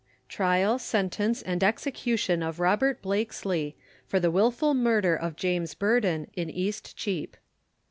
TRIAL, SENTENCE, AND EXECUTION OF ROBERT BLAKESLEY, For the Wilful Murder of JAMES BURDON, in Eastcheap.